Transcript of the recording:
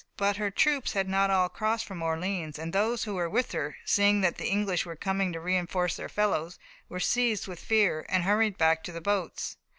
But her troops had not all crossed from Orleans, and those who were with her, seeing that the English were coming to reinforce their fellows, were seized with fear, and hurried back to the boats.